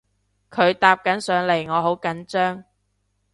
佢搭緊上嚟我好緊張